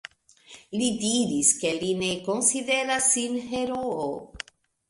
Li diris, ke li ne konsideras sin heroo.